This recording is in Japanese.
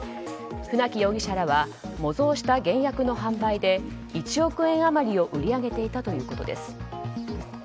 船木容疑者らは模造した原薬の販売で１億円余りを売り上げていたということです。